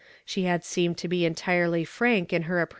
L secned to be entirely frank in her app